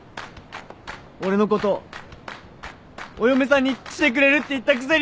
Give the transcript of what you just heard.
俺のことお嫁さんにしてくれるって言ったくせに！